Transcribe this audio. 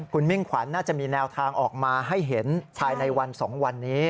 คุณมิ่งขวัญน่าจะมีแนวทางออกมาให้เห็นภายในวัน๒วันนี้